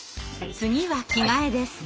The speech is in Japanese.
次は着替えです。